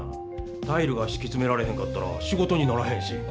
タイルがしきつめられへんかったら仕事にならへんし。